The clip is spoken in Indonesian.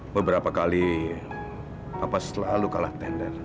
beberapa kali selalu kalah tender